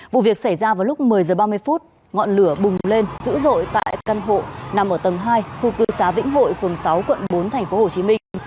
vụ việc xảy ra vào lúc một mươi h ba mươi ngọn lửa bùng lên dữ dội tại căn hộ nằm ở tầng hai khu cư xá vĩnh hội phường sáu quận bốn tp hcm